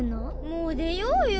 もう出ようよ。